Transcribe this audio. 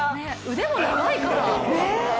腕が長いから。